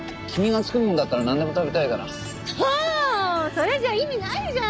それじゃ意味ないじゃん！